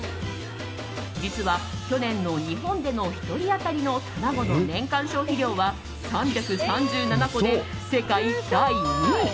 実は、去年の日本での１人当たりの卵の年間消費量は３３７個で世界第２位。